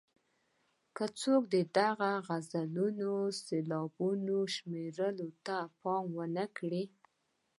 که څوک د دغو غزلونو سېلابونو شمېرلو ته پام ونه کړي.